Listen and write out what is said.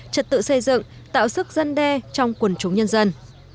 trật tự xây dựng tạo sức dân đe trong quần chúng nhân dân